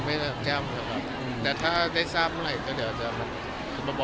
ไม่ได้รับแจ้งนะครับแต่ถ้าได้ทราบเมื่อไหร่ก็เดี๋ยวจะมาบอกทุกคนนะครับ